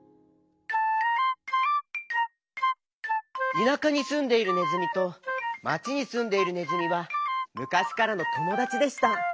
田舎にすんでいるねずみと町にすんでいるねずみはむかしからのともだちでした。